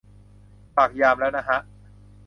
ฝากยามแล้วนะฮะ